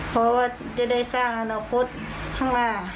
เพราะว่าจะได้สร้างอนาคตข้างหน้า